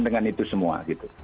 dengan itu semua